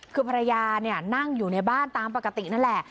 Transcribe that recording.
คือภรรยาเนี่ยนั่งอยู่ในบ้านตามปกตินั่นแหละ